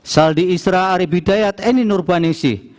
saldi isra ari bidayat eni nurpaningsi